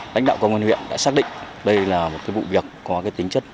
đánh đạo công an huyện đã xác định đây là một vụ việc có tính chất